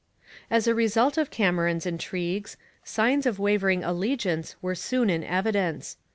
As a result of Cameron's intrigues, signs of wavering allegiance were soon in evidence.